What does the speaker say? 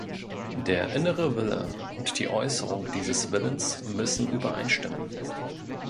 Der innere Wille und die Äußerung dieses Willens müssen übereinstimmen.